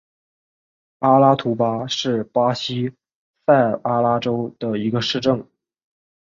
阿拉图巴是巴西塞阿拉州的一个市镇。